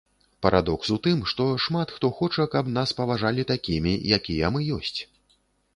Парадокс у тым, што шмат хто хоча, каб нас паважалі такімі, якія мы ёсць.